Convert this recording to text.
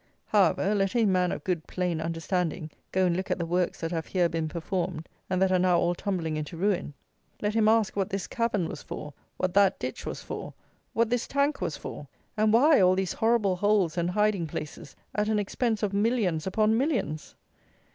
However, let any man of good plain understanding go and look at the works that have here been performed, and that are now all tumbling into ruin. Let him ask what this cavern was for; what that ditch was for; what this tank was for; and why all these horrible holes and hiding places at an expense of millions upon millions?